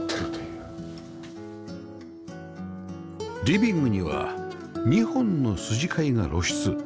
リビングには２本の筋交いが露出